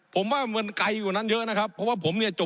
ผมอภิปรายเรื่องการขยายสมภาษณ์รถไฟฟ้าสายสีเขียวนะครับ